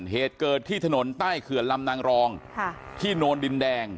เหตุเกิดที่ถนนใต้เขื่อนลำนางรองที่โนนดินแดง